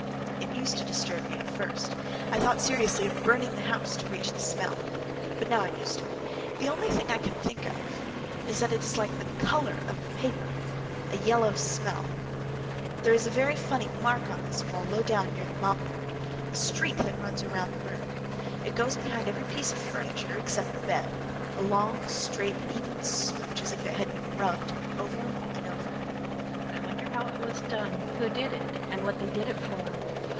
It used to disturb me at first. I thought seriously of burning the house—to reach the smell. But now I am used to it. The only thing I can think of that it is like is the color of the paper! A yellow smell. There is a very funny mark on this wall, low down, near the mopboard. A streak that runs round the room. It goes behind every piece of furniture, except the bed, a long, straight, even smooch, as if it had been rubbed over and over. I wonder how it was done and who did it, and what they did it for.